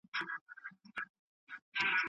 ازلي علم یوازي خدای لره دی.